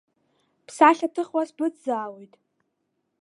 Бсахьа ҭыхуа сбыцзаалоит.